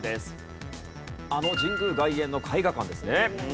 あの神宮外苑の絵画館ですね。